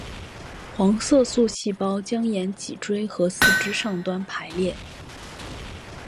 黄色素细胞将沿脊椎和四肢上端排列。